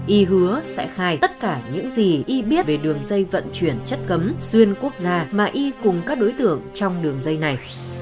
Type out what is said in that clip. y hứa sẽ khai tất cả những gì y biết về đường dây vận chuyển chất cấm xuyên quốc gia mà y cùng các đối tượng trong đường dây này